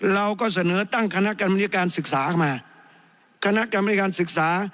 เราก็เสนอตั้งคณะการบริการศึกษามา